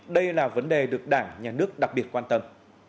đây là vấn đề được đảng nhà nước đặc biệt quan tâm